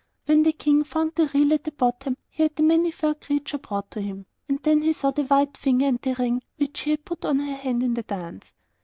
When the King found the reel at the bottom, he had the Many furred Creature brought to him, and then he saw the white finger, and the ring which he had put on her hand in the dance.